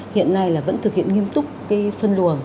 hiện nay là vẫn thực hiện nghiêm túc cái phân luồng